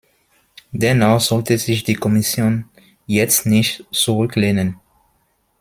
Dennoch sollte sich die Kommission jetzt nicht zurücklehnen.